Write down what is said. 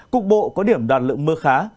cục bộ có điểm đạt lượng mưa khá